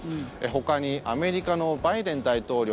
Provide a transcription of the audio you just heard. ほかにアメリカのバイデン大統領